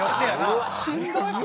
うわっしんどい！